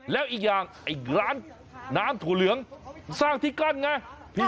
แล้วอีกอย่างไอ้ร้านน้ำถั่วเหลืองสร้างที่กั้นไง